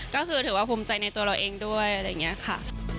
ก็คือถือว่าภูมิใจในตัวเราเองด้วยอะไรอย่างนี้ค่ะ